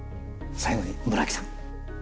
最後に村木さん。